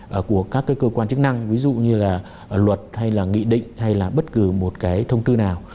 và của các cái cơ quan chức năng ví dụ như là luật hay là nghị định hay là bất cứ một cái thông tư nào